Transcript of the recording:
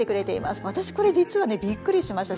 わたしこれ実はねびっくりしました。